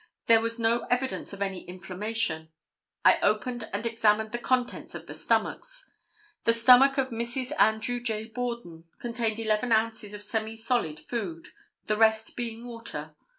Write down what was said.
There was no evidence of any inflammation. I opened and examined the contents of the stomachs. The stomach of Mrs. Andrew J. Borden contained eleven ounces of semi solid food, the rest being water.